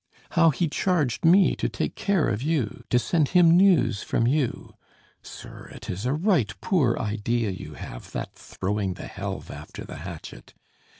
How he charged me to take care of you; to send him news from you! Sir, it is a right poor idea you have, that throwing the helve after the hatchet.